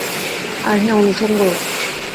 আর হ্যাঁ, অনুষঙ্গও।